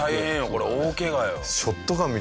これ大ケガよ。